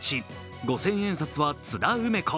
五千円札は津田梅子。